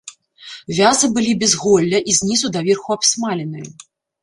Вязы былі без голля і знізу даверху абсмаленыя.